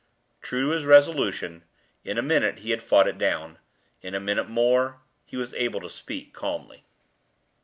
True to his resolution, in a minute he had fought it down. In a minute more he was able to speak calmly.